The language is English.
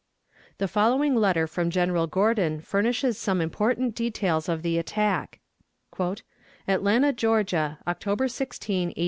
The following letter from General Gordon furnishes some important details of the attack: "ATLANTA, GEORGIA, _October 16, 1880.